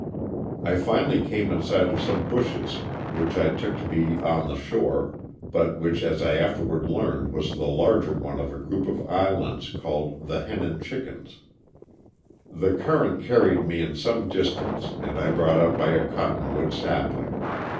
I finally came in sight of some bushes which I took to be on the shore, but which as I afterwards learned was the larger one of a group of islands called the Hen and Chickens.'' The current carried me in some distance and I brought up by a Cottonwood sapling.